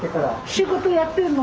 仕事やってんの？